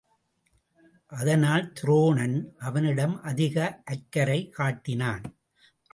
அதனால் துரோணன் அவனிடம் அதிக அக்கரை காட்டினான்.